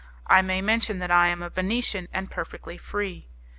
I may mention that I am a Venetian, and perfectly free.